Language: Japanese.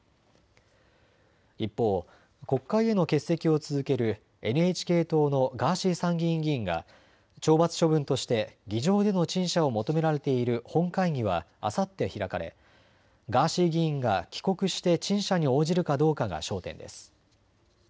一方、国会への欠席を続けるＮＨＫ党のガーシー参議院議員が懲罰処分として議場での陳謝を求められている本会議はあさって開かれガーシー議員が帰国して陳謝に応じるかどうかが焦点です。